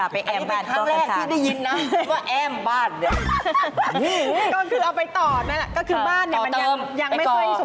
ไปก่อข้าง